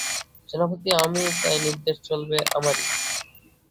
সেনাপতি আমি, তাই নির্দেশ চলবে আমারই।